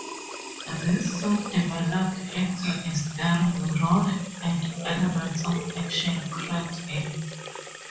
This soon developed into a starring role, and elements of action crept in.